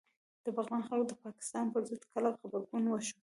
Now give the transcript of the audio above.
د بغلان خلکو د پاکستان پر ضد کلک غبرګون وښود